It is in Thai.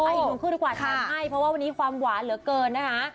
เอาอีกหนึ่งคู่ด้วยกว่าแข็งให้เพราะว่าวันนี้ความหวานเหลือเกินนะฮะ